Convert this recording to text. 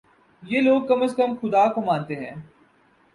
یہ لوگ کم از کم خدا کو مانتے ہیں۔